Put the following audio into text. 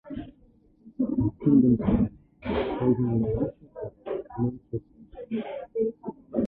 Tushundim seni, qolganlarni chaqir, men ketdim….